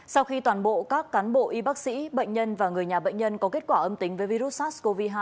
sau khi toàn bộ các cán bộ y bác sĩ bệnh nhân và người nhà bệnh nhân có kết quả âm tính với virus sars cov hai